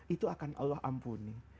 itu akan allah ampuni